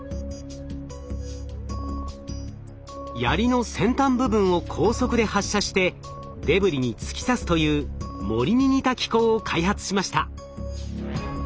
槍の先端部分を高速で発射してデブリに突き刺すという銛に似た機構を開発しました。